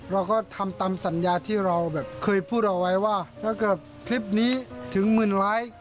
เราก็ทำตามสัญญาที่เราแบบเคยพูดเอาไว้ว่าถ้าเกิดคลิปนี้ถึงหมื่นไลค์